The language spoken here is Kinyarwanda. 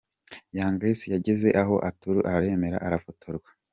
Young Grace yageze aho aratuza aremera arafotorwa.